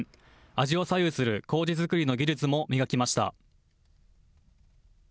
味を左右するこうじ作りの技術も磨きました。